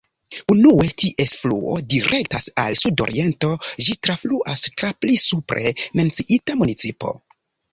Unue ties fluo direktas al sudoriento, ĝi trafluas tra pli supre menciita municipo.